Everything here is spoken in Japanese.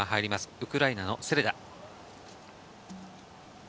ウクライナのセレダ。